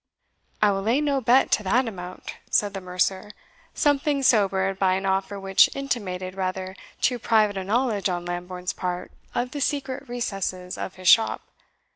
"I will lay no bet to that amount," said the mercer, something sobered by an offer which intimated rather too private a knowledge on Lambourne's part of the secret recesses of his shop.